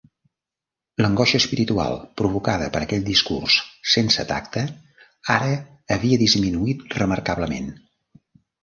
L'angoixa espiritual provocada per aquell discurs sense tacte ara havia disminuït remarcablement.